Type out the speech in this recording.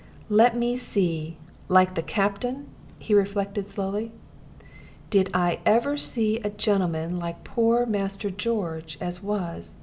"Let me see like the Captain?" He reflected slowly: "Did I ever see a gentleman like poor Master George, as was?